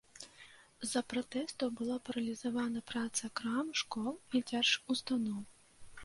З-за пратэстаў была паралізаваная праца крам, школ і дзяржустаноў.